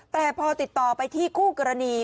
แต่พอติดต่อไปที่คู่กรณี